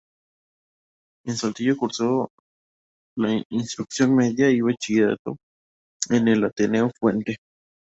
En Saltillo cursó la instrucción media y el bachillerato en el Ateneo Fuente.